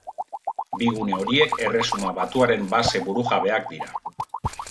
Bi gune horiek Erresuma Batuaren base burujabeak dira.